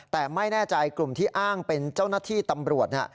แต่ไม่แน่ใจกลุ่มที่อ้างเป็นเจ้าหน้าที่ตำรวจ